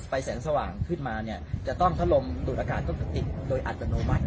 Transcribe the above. สไฟแสงสว่างขึ้นมาเนี่ยจะต้องทะลมดุลอากาศต้องจะติดโดยอัตโนมัติ